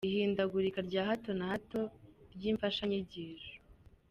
Ihindagurika rya hato na hato ry’imfashanyigisho.